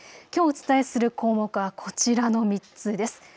きょうお伝えする項目はこちらの３つです。